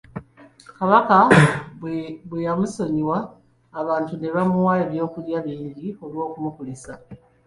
Kabaka bwe yamusonyiwa, abantu ne bamuwa ebyokulya bingi olw’okumukulisa.